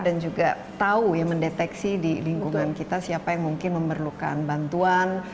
dan juga tahu ya mendeteksi di lingkungan kita siapa yang mungkin memerlukan bantuan